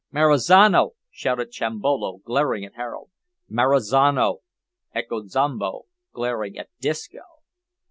"Marizano!" shouted Chimbolo, glaring at Harold. "Marizano!" echoed Zombo, glaring at Disco.